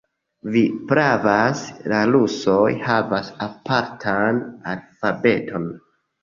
Vi pravas; la rusoj havas apartan alfabeton.